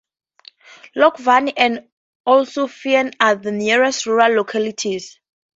Logvani and Olsufyevo are the nearest rural localities.